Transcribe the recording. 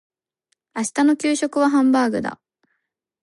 明日の給食はハンバーグだ。